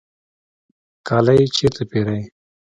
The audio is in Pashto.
کالی چیرته پیرئ؟